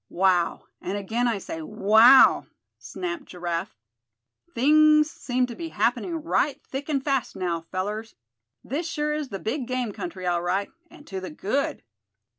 "Wow, and again I say, wow!" snapped Giraffe. "Things seem to be happening right thick and fast now, fellers. This sure is the big game country, all right, and to the good."